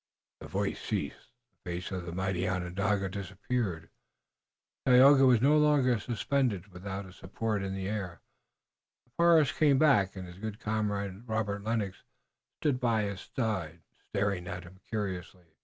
The voice ceased, the face of the mighty Onondaga disappeared, Tayoga was no longer suspended without a support in the air, the forest came back, and his good comrade, Robert Lennox, stood by his side, staring at him curiously.